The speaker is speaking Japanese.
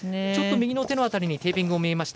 右の手の辺りにテーピングも見えました。